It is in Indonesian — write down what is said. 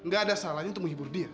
gak ada salahnya untuk menghibur dia